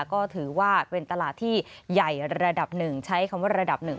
ก็ถือว่าเป็นตลาดที่ใหญ่ระดับหนึ่งใช้คำว่าระดับหนึ่ง